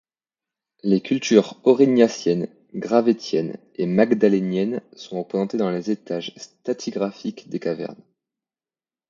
Les cultures aurignacienne, gravettienne, et magdalénienne sont représentées dans les étages stratigraphiques des cavernes.